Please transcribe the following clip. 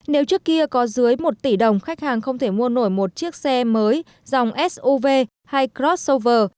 nếu trước kia có dưới một tỷ đồng khách hàng không thể mua nổi một chiếc xe mới dòng suv hay glod suver